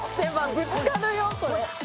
ぶつかるよこれ。